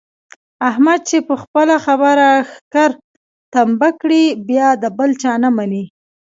احمد چې په خپله خبره ښکر تمبه کړي بیا د بل چا نه مني.